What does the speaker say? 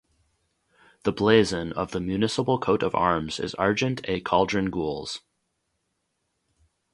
The blazon of the municipal coat of arms is Argent a Cauldron Gules.